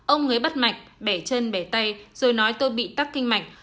ông ấy bắt mạch bẻ chân bẻ tay rồi nói tôi bị tắc kinh mạch